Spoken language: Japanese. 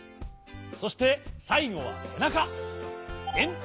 そしてさいごはせなか。